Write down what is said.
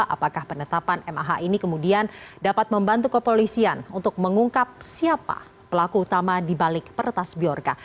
apakah penetapan mah ini kemudian dapat membantu kepolisian untuk mengungkap siapa pelaku utama di balik peretas biorka